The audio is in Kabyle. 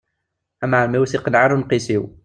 Amεellem-iw ur t-iqenneε ara uneqqis-iw.